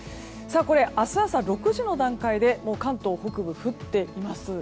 これ、明日朝６時の段階でもう関東北部、降っています。